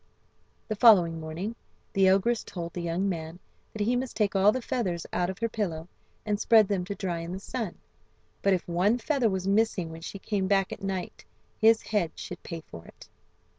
The following morning the ogress told the young man that he must take all the feathers out of her pillows and spread them to dry in the sun. But if one feather was missing when she came back at night his head should pay for it."